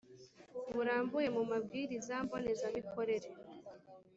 burambuye mu mabwiriza mbonezamikorere